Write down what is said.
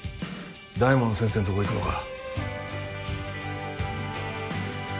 大門先生んとこ行くのか？